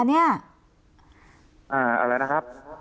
อะไรนะครับ